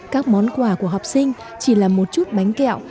các món quà của học sinh chỉ là một chút bánh kẹo